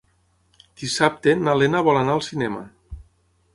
Dissabte na Lena vol anar al cinema.